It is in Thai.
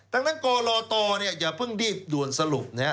ต่างกรลโตอย่าเพิ่งดีดวนสรุป